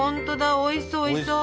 おいしそう！